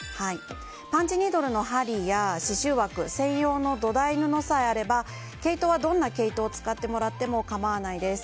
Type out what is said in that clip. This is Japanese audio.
パンチニードルの針や刺しゅう枠専用の土台布さえあれば毛糸はどんな毛糸を使ってもらっても構わないです。